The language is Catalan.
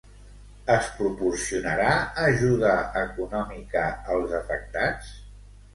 Es proporcionarà ajuda econòmica als afectats?